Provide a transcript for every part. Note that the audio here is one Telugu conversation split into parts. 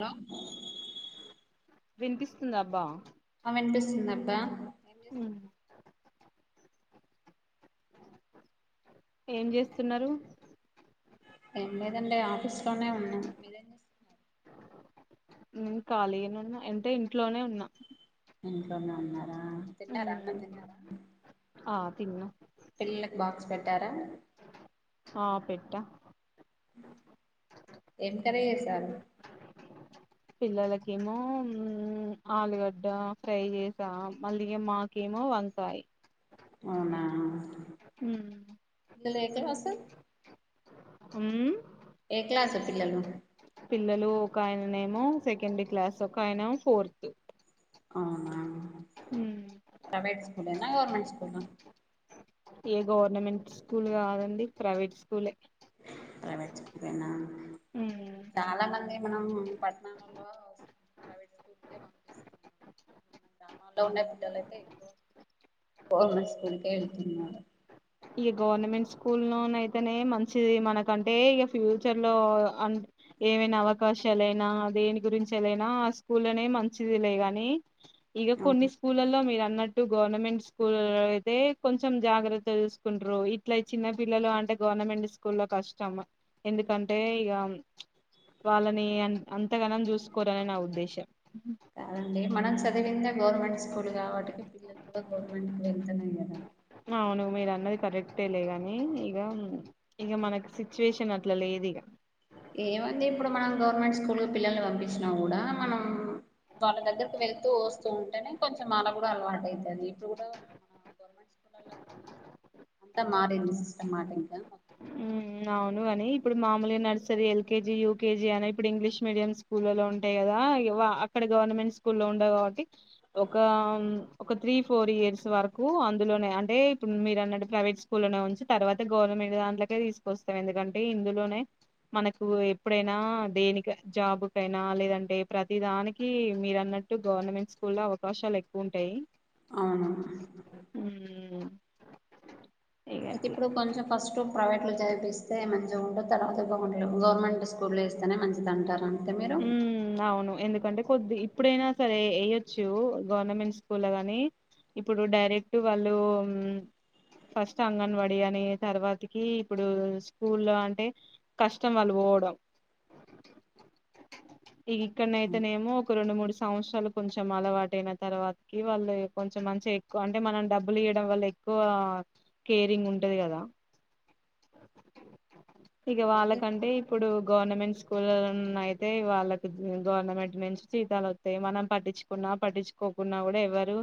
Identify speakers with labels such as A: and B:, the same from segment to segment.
A: హలో
B: వినిపిస్తుంద అబ్బా
A: వినిపిస్తుందబ్బా
B: ఏం చేస్తున్నారు
A: ఏం లేదండి ఆఫీస్ లోనే ఉన్నా మీరేమ్ చేస్తున్నారు
B: నేను ఖాళీగానె ఉన్నా అంటే ఇంట్లోనే ఉన్నా
A: ఇంట్లోనే ఉన్నారా తిన్నారా అన్నం తిన్నారా
B: తిన్నం
A: పిల్లలకు బాక్స్ పెట్టారా
B: ఆ పెట్టా
A: ఏం కరీ చేేశారు
B: పిల్లలకేమో ఆలుగడ్డ ఫ్రై చేసా మళ్ళి ఇగ మాకేమో వంకాయి
A: అవునా
B: ఊహ్
A: పెళ్లి అయితె హస్తం [unintelligible]
B: ఊమ్
A: ఏ క్లాసు పిల్లలు?
B: పిల్లలూ ఒక ఆయననేమో సెకండ్ క్లాస్, ఒక ఆయనేమొ ఫోర్త్.
A: అవునా. ప్రైవేట్ స్కూలేనా? గవర్నమెంట్ స్కూలా?
B: ఏ గవర్నమెంట్ స్కూల్ గాదండి, ప్రవేట్ స్కూలే.
A: ప్రవేట్ స్కూల్ ఏనా
B: మ్మ్ హ్హ్
A: మనం పట్టణాలల్లో ప్రైవేట్ స్కూల్కే పంపిస్తున్నాం గ్రామంలో ఉన్న పిల్లలయితే ఎక్కువ గవర్నమెంట్ స్కూల్కే ఎళ్తున్నారు.
B: ఇ గవర్నమెంట్ స్కూల్లో అయితనే మంచిది. మనకంటే ఇగ ఫ్యూచర్ లో ఏవైన అవకాశాలైనా దేని గురించైనా స్కూల్లనే మంచిదిలే గానీ ఇగ
A: అవును
B: కొన్ని స్కూళ్లల్లో మీరా న్నట్టు గవర్నమెంట్ స్కూళ్లలో అయితే కొంచెం జాగ్రత్త చూసు కుండ్రు ఇట్ల చిన్న పిల్లలు అంటే గవర్నమెంట్ స్కూళ్లలో కష్టం ఎందుకంటే ఇగా ప్చ్ వాళ్ళనీ అంతగనం చూసుకోరని నా ఉద్దేశం
A: కాదండి మనం చదివింది గవర్నమెంట్ స్కూల్ కాబట్టి పిల్లలు కూడా గవర్నమెంట్ వెళ్తలేరు కదా
B: అవును మీరు అన్నది కరెక్టే లే గానీ ఇగా, ఇగ మనకు సిచ్యుయేషన్ అట్ల లేదు ఇగ
A: ఏమండీ! ఇప్పుడు మనం గవర్నమెంట్ స్కూల్ కి పిల్లల్ని పంపించినా కూడా మనం వాళ్ళ దగ్గరకి వెళ్తూ వస్తూ ఉంటేనే, కొంచెం వాల్లకు కూడా అలవాటు అయితది. ఇప్పుడు కూడా అంతా మారింది సిస్టమ్ మారింది
B: అవును కానీ ఇప్పుడు మాములుగా నర్సరీ, ఎల్కేజీ, యూకేజీ అని ఇప్పుడు ఇంగ్లీష్ మీడియం స్కూళ్ల లో ఉంటాయి కదా ఇగా అక్కడ గవర్నమెంట్ స్కూల్లో ఉండవు కాబట్టి ఒకా ఒక త్రీ ఫోర్ ఇయర్స్ వరకూ అందులోనె అంటే మీరు అన్నటు ప్రైవేట్ స్కూళ్లనే ఉంచి తర్వాత గవర్నమెంట్ దాంట్లకే తిసుకొస్తర్ ఎందుకంటే ఇందులోనె మనకు ఎప్పుడైనా దేనికైన జాబుకైనా లేదంటే ప్రతి దానికీ మీరన్న ట్టు గవర్నమెంట్ స్కూల్లో అవకాశాలు ఎక్కువ ఉంటాయి
A: అవును
B: మ్మ్
A: ఇప్పుడు కొంచెం ఫస్ట్ ప్రైవేట్ లో చదివిపిస్తే మంచిగ ఉంటది తర్వాత గవర్నమెంట్ స్కూల్లో ఏస్తెనే మంచిది అంటారు అంతే మీరు
B: మ్మ్ అవును ఎందుకు అంటే కొద్ది ఇప్పుడైనా సరే ఎయ్యొచ్చు గవర్నమెంట్ స్కూల్లో కానీ ఇప్పుడు డైరెక్టు వాళ్ళూ మ్మ్ ఫస్ట్ అంగన్వాడి అని తర్వాతకీ ఇప్పుడూ స్కూల్లో అంటే కష్టం వాల్లు పొ వడం
A: [inaudible]
B: ఇగ ఇక్కడైతెనేమో ఒక రెండు మూడు సంవత్సరాలు కొంచెం అలవాటయిన తర్వాత కి వాళ్ళు యొక్క కొంచెం మంచిగ ఎక్కువ అంటే మనం డబ్బులు ఇయ్యడం వల్ల ఎక్కువా కేరింగ్ ఉంటది కదా
A: [inaudible]
B: ఇగ వాళ్ళకంటే ఇప్పుడూ గవర్నమెంట్స్ స్కూల్ లో అయితే వాళ్ళకి గవర్నమెంట్ నుంచి జీతాలు వస్తాయి మనం పట్టించుకున్నా పట్టించుకోకపోయిన గున్నా కూడా ఎవ్వరూ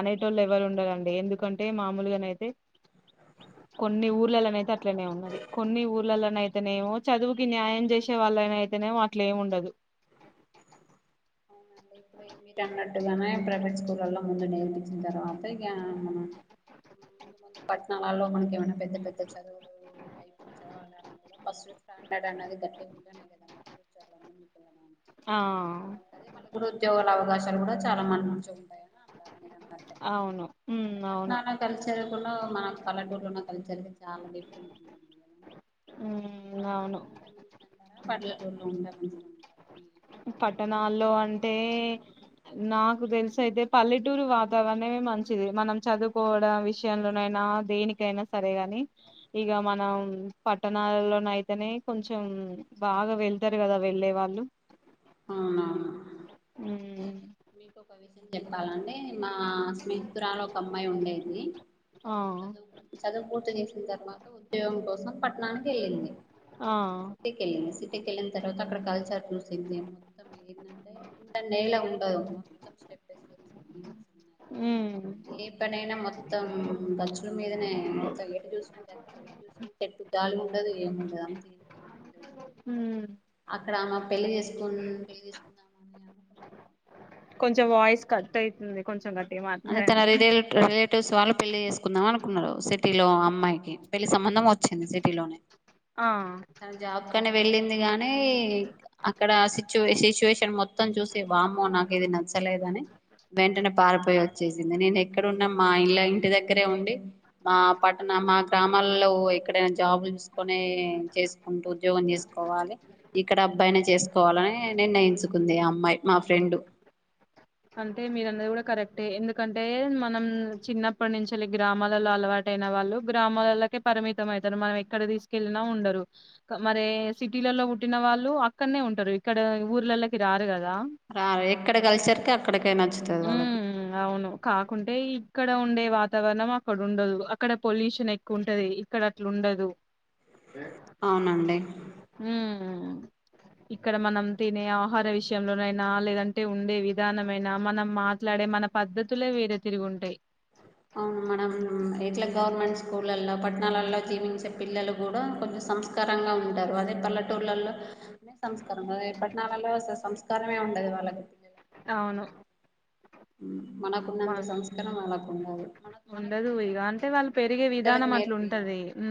B: అనేటోళ్ళు ఎవ్వరుండరండి ఎందుకంటే మాములుగనైతే కొన్ని ఊర్లలోనైతే అట్లనే ఉన్నది. కొన్ని ఊర్లలోనైతేనేమో చదువుకి న్యాయం జేసి వాళ్ళఅయితేనేమో అట్లేముండదు.
A: అవునండి మీరు అన్నట్టుగనే ప్రైవేట్ స్కూళ్లలో ముందు నేర్పించిన తర్వాత ఇగా మనం పట్నం లో మనకి ఏమన్నా పెద్ద పెద్ద చదువులు స్టాండెడ్ అనేది గట్టిగా ఉంటేనే కదా
B: ఆఅ
A: బాగుంటది ఉద్యోగాల అవకాశాలు కూడా చాలా మంది నుంచి ఉంటాయి
B: అవును ఉమ్
A: కానీ
B: అవును
A: పట్నం లో కల్చర్ వేరు మన పల్లేటూరులో కల్చర్ వేరు చాలా డిఫరెంట్ గా ఉంటుంది కదండీ మన
B: ఉమ్ అవును
A: పట్టణాల్లో ఉంటే మంచిదంటారా పల్లెటూరులో ఉంటే మంచిది అంటారా
B: పట్టణాల్లో అంటే నాకు తెలుసి ఆయితే పల్లెటూరు వాతావరణమే మంచిది మనం చదువుకోవడం విషయంలోనైనా దేనికైనా సరేగాని ఇక మనం పట్టణాలలో అయితేనే కొంచెం బాగా వెళ్తారు కదా వెళ్ళే వాళ్ళు
A: అవునవును
B: ఊ
A: మీకు ఒక విషయం చెప్పాలండి మా స్నేహితురాలు ఒక అమ్మాయి ఉండేది
B: ఆ
A: తను చదువు చదువు పూర్తి చేసిన తర్వాత ఉద్యోగం కోసం పట్టణానికి వెళ్లింది
B: ఆ
A: సిటెకె సిటికెళ్లినా తర్వాత అక్కడ కల్చర్ చూసింది [inaudible] మొత్తం నేలా ఉండదు మొత్తం స్టెప్ బై స్ట [inaudible]
B: ఉమ్
A: ఏ పనైనా మొత్తం గచ్చుల మీదనే మొత్తం ఎటు చూసిన లే చూసిన గచ్చు దళి ఉండదు ఏమి ఉండదు అంత
B: ఊ
A: అక్కడ ఆమా పెళ్లి చేసుకు పెళ్లి చేసుకుందాం అని అనుకున్నా
B: కొంచెం వాయిస్ కట్ అవుతుంది కొంచెం కట్
A: అంటే తన రిలే రిలేటివ్స్ వాళ్ళు పెళ్లి చేసుకుందాం అనుకున్నారు సిటీలో అమ్మాయికి పెళ్లి సంబంధం వచ్చింది సిటీలోనే
B: ఆ
A: అక్కని వెళ్ళింది గాని అక్కడ సిచ్యు సిచ్యువేషన్ మొత్తం చూసి వామ్మో నాకు ఇది నచ్చలేదని వెంటనే పారిపోయి వచ్చి సింది నేను ఎక్కడన్నా మా ఇళ ఇంటి దగ్గరే ఉండి మా పట్టణ మా గ్రామాలో ఎక్కడైనా జాబ్ చూసుకొని చేసుకుంటూ ఉద్యోగం చేసుకోవాలి ఇక్కడ అబ్బాయినే చేసుకోవాలి నిర్ణయించుకుంది ఆ అమ్మాయి మా ఫ్రెండు
B: అంటే మీరన్నది కూడా కరెక్టే ఎందుకంటే మనం చిన్నప్పటి నుంచి గ్రామాలలో అలవాట వాళ్ళు గ్రామాలకె పరిమిత అవుతారు మన ఎక్కడ తీసుకెల్లిన ఉండరు మరే సిటీ లో పుట్టిన వాళ్ళు అక్కడనే ఉంటారు ఇక్కడ ఊర్లలకి రారు కదా
A: రారు ఎక్కడ కలిసారుకి అక్కడ
B: ఉ అవును కాకుంటే ఈ ఇక్కడ ఉండే వాతావరణం అక్కడ ఉండదు అక్కడ పొల్యూషన్ ఎక్కువ ఉంటది ఇక్కడ అట్లు ఉండదు
A: అవునండి
B: ఊ ఇక్కడ మనం తినే ఆహార విషయంలోనైనా లేదంటే ఉండే విధానం మైన మనం మాట్లాడే మన పద్ధతులే వేరే తీరుగా ఉంటాయి
A: అవును మనం ఇట్లా గవర్నమెంట్ స్కూళ్ళలో పట్టణాలలో జీవించే పిల్లలు కూడా కొంచెం సంస్కారంగా ఉంటారు అదే పల్లెటూళ్లలో అనే సంస్కారం కదా పట్టణాలలో సంస్కారమే ఉండదు వాళ్ళ కి
B: అవును
A: హు మనకున్నంత సంస్కారం వాళ్ళకు ఉండదు మన
B: ఉండదు
A: మనకున్న
B: ఇగ అంటే
A: సంస్కారం
B: వాళ్ళు
A: కూడా మన
B: పెరిగే
A: పిల్లలకి
B: విధానం అట్లుంటది
A: నేర్పియాలి
B: ఊ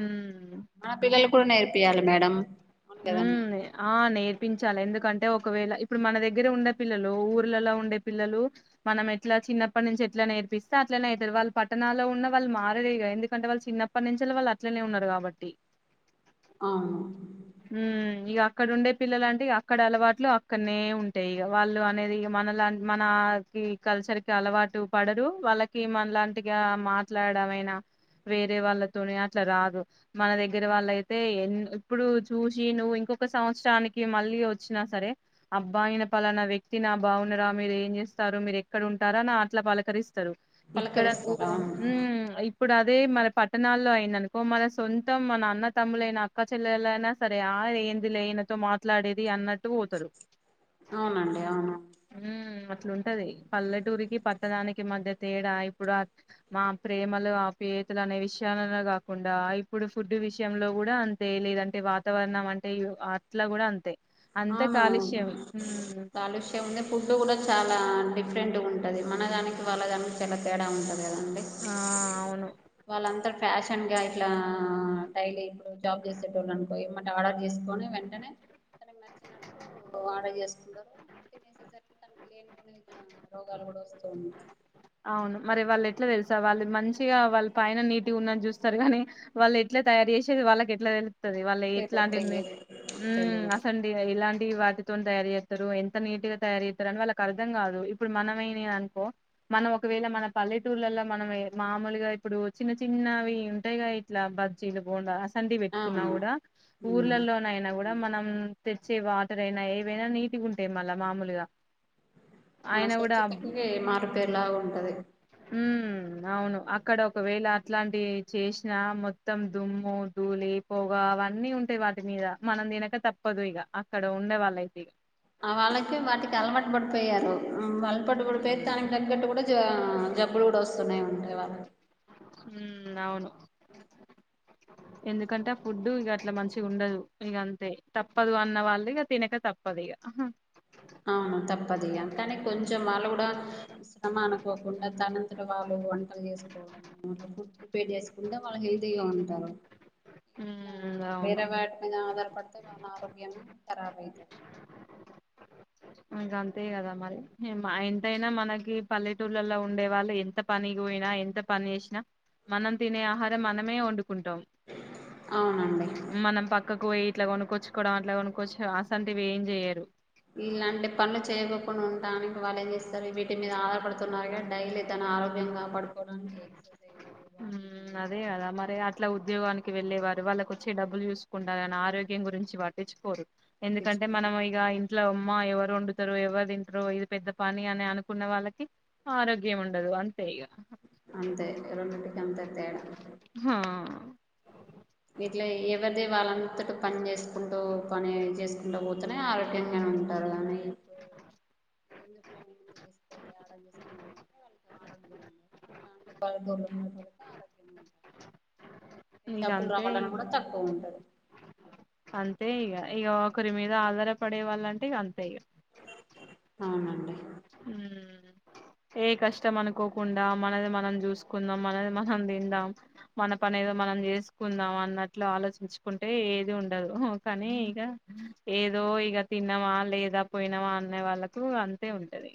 A: తీయాలి మేడం అవును కదండి
B: ఊ ఆ నేర్పించాలి ఎందుకు కంటే ఒకవేళ ఇప్పుడు మన దగ్గర ఉండే పిల్లలు ఊర్లలో ఉండే పిల్లలు మన ఎట్లా చిన్నప్పటి నుంచి ఎట్లా నేర్పిస్తే అట్లనే అయతారు వాళ్ళ పట్టణాలలో ఉన్న వాళ్ళు మారారు ఇగ ఎందుకంటె వాళ్ళ చిన్నప్పటి నుంచి వాళ్ళు అట్నే ఉన్నారు కాబట్టి
A: అవును
B: ఊ ఇగా అక్కడ ఉండే పిల్లలు అంటే అక్కడ అలవాట్లు అక్కడనే ఉంటాయి ఇగా వాళ్ళు అనేది మనలాంటి మనకి కల్చర్ కి అలవాటు పడరు వాళ్ళకి మనలాంటిగా మాట్లాడ దావైనా వేరే వాళ్ళతో అట్లా రారు మన దగ్గర వాళ్ళ అయితే ఎ ఏప్పుడు చూసి నువ్వు ఇంకొక సంవత్సరానికి మళ్ళీ వచ్చినా సరే అబ్బా ఈయన పలానా వ్యక్తి నా బావుని మీరు ఏం చేస్తారు మీరు ఎక్కడ ఉంటారు ఆనా అట్లా పలకరిస్త సరూ ఇక్కడకు
A: పలకరిస్తారు అవును
B: హు ఇప్పుడు అ అదే మన పట్టణాల్లో అయిననుకో మన సొంతం మన అన్న తమ్ముల అయిన అక్క చెల్లెల అయినా సరే ఆ ఏందిలే ఈయనతో మాట్లాడేది అన్నట్టు పోతరు
A: అవునండి అవును
B: హ్మ్ అట్లుంటది. పల్లెటూరికి, పట్టనానికి మధ్య తేడా ఇప్పుడు ఆ మా ప్రేమలు ఆ పే. తులనే విషయాలనే గాకుండా ఇప్పుడు ఫుడ్ విషయంలో గూడ అంతే లేదంటే వా తావరణం అంటే ఇయో అట్లా గుడా అంతే అంత
A: అవును
B: కాలుష్యం హ్మ్
A: కాలుష్యం ఉంది ఫుడ్ కూడా చాలా అంటే ఇ రెంటు ఉంటది మన దానికి వాళ్ళ దానికి చాల తేడా ఉంట లేదండి
B: ఆ అవును
A: వాళ్ళంతా ఫ్యాషన్గా ఇట్లా డైలీ ఇప్పుడు జాప్ చేసేటోళ్లునుకో, ఎమ్మటే ఆర్డర్ చేసుకొని వెంటనే. [unintelligible] చ్చినట్టు ఆడర్ చేసుకుంటారు తిం [inaudible] సేసరికి తనకి లేని పోనీ జా రోగాలు కూడా వస్తూ ఉంటాయి
B: అవును, మరి వాళ్ళు ఎట్లా తెలుసా? వాళ్ళు మంచిగా వాళ్ళ పైన నీటుగా ఉన్నది చూస్తారు గానీ? వాళ్ళు ఎట్లా, ట్లా తయారు చేసేది వాళ్ళకి ఎట్లా తెలుత్తది? వాళ్లు
A: తెలియదు
B: ఎట్లాంటివన్నీ
A: తెలియదు
B: ఉ
A: తెలియదు
B: అసండి ఎ ఎలాం. టీ వాటితోనీ తయారు చేత్తారు, ఎంత నీట్ గా తయారు చేత్తారు అని వాళ్లకుఅర్థం కాదు! ఇప్పుడు మనమేనీయనుకో. మనం ఒకవేళ మన పల్లెటూర్లల, మనం ఏ మామూలుగా ఇప్పుడు చిన్న చిన్నవి ఉంటాయిగా? ఇట్లా బ. బజ్జీలు, బోండా అసంటి
A: ఆ
B: పెట్టుకున్నా కూడా
A: ఉమ్,
B: ఊర్లలోనైనా! గూడా
A: అవును.
B: మనం. తెచ్చే వాటర్ అయినా ఏవైనా నీటిగుంటాయి మళ్ళా మామూలుగా
A: ఆమే
B: ఆయన
A: స్వచ్చ్చఛతకి మారు పేరు లాగా ఉంటది
B: ఉ అవును, అక్కడ ఒకవేళ అట్లాంటి చేసినా? మొత్తం దుమ్ము. ధూలి, పొగ అవన్నీ ఉంటాయి. వాటి మీద మనం తినక తప్పదు! ఇగ అక్కడ ఉండే వాళ్లయితిగా.
A: ఆ వాళ్ళకి వాటికి అలవాటు పడిపోయారు ఉ అలపటు పడిపోయి
B: ఉమ్
A: తననికి తగ్గట్టు గుడా జ జబ్బులు కూడా వస్తున్నాయి ఉంటాయి వాళ్లకి
B: హు అవును ఎందుకంటే ఫుడ్డు ఇగ అట్లా మంచి చి. గుండదు ఇగ అంతే, తప్పదు అన్న వాళ్ళు ఇగ తినక తప్పదు ఇగ.
A: అవును తప్పది ఇగ కాని కొంచెం వాళ్లు గుడా శ్రమ అనుకోకుండా, తనంతట వాళ్ళు వంటలు చేసుకోవడం. అట్లా ఫుడ్ ప్రిపేర్ చేసుకుం [inaudible] వాళ్లకి. హెల్తీగా ఉంటారు ఇట్ల
B: ఉమ్, అవును
A: వేరే వాటి మీద ఆధార పడితే మన ఆరోగ్యమే ఖరాబ్ అయితది
B: ఇంకా అంతే కదా! మరి హా మాఎంతైనా మనకి పల్లెటూళ్లలో ఉండే వాళ్ళు ఎంత పనికి పోయి. యిన ఎంత పని చేసిన మనం తినే ఆహారం మనమే వండు కుంటాం మనం పక్కకు పోయి ఇట్లా కొనుక్కొచ్చుకోవడం అట్లా కొనుక్కొచ్చు అసంటివి ఏం జెయరు
A: ఇ లాంటప్ పనులు చేయకోకుండా ఉండడానికి, వాళ్ళు ఏం చేస్తారు వీటి మీద ఆధారపడుతున్నారుగా. డైలీ తన ఆరోగ్యం కాపాడు, వారానికి ఎగ్స్స్
B: ఉ అదే కదా మరి అట్లా ఉద్యోగాని కి వెళ్ళే వారు, వాళ్ళకోచ్చే డబ్బులు చూసుకుంటారు గాని, ఆరోగ్యం గురించి పట్టించుకోరు. ఎందుకంటే
A: పట్టించుకోరు
B: మనం ఇగ ఇం ఇట్లా, ఉమ్మా ఎవరు వండుతారు! ఎవరు తింటరు! ఇది పెద్ద పని అని అనుకున్న వాళ్ళకి ఆరోగ్యం ఉండదు. అం తేగా
A: రోన్తుంటే [unintelligible] తేడా ఇట్లా ఎవరిది వాళ్ళంతట పని తనే ఆరోగ్యంగానే ఉంటారు గానీ ఎందుకులని ముందు చేసుకోవాలి, ఆడ చేకున్నా అంటే వాళ్ళతో ఆరోగ్యం [inaudible] మన అంతా పల్లెటూరు ఉ. [inaudible] ఆరోగ్య ముంట
B: ఇక
A: ఎగ్జాపులు
B: అంతే
A: రావాలన్న
B: ఇక
A: కూడా తక్కువ ఉంటది.
B: అయ్యో ఒకరి మీద ఆధారపడే వాళ్ళంటే ఇంగ అంతే ఇగ
A: అవునండి
B: మ్మ్ ఏ కష్టం అనుకోకుండా మనది మనం చూసుకుందాం మనది మనం తిందాం, మనం పని ఏదో చేసుకుందాం, అన్నట్లు ఆలోచించుకుంటే ఏది ఉండదు. హో కానీ ఇగ ఏదో, ఇగ తిన్నామా! లేదా పోయినామా అనే వాళ్ళలకు అంతే. ఉంటది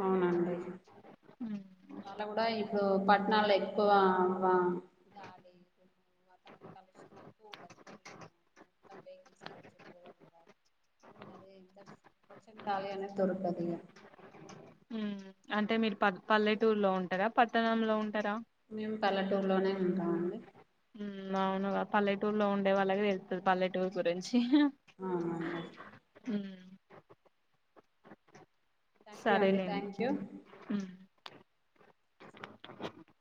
A: అవునండి
B: ఉమ్
A: వాళ్ళ కూడా ఇప్పుడు పట్టణాలే ఎక్కువ. వా వాతావరణ [inaudible] అదే పచ్చి కాయ [unintelligible] అనే దొరకదు
B: మ్మ్ అంటే మీరు ప పల్లెటూరు లో ఉంటారా పట్టణంలో ఉం
A: మేము పల్లెటూరులోనే ఉంటామండి
B: మ్మ్ అవునుగా పల్లెటూరులో ఉండే వాళ్ళకి తెలుత్తది పల్లెటూరు గురించి
A: అవునండి
B: మ్మ్
A: థ్యాంక్ యూ అండి
B: సరేలేండి
A: థ్యాంక్ యూ
B: హ్మ్